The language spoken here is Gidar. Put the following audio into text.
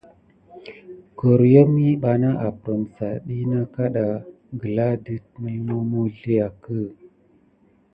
Goryom miɓanà aprisa ɗi nà na kaɗa gəla dət məlməw məwsliakə.